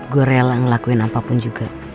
gue rela ngelakuin apapun juga